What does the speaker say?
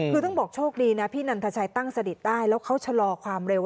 คือต้องบอกโชคดีนะพี่นันทชัยตั้งสนิทได้แล้วเขาชะลอความเร็ว